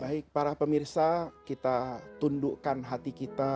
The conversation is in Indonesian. baik para pemirsa kita tundukkan hati kita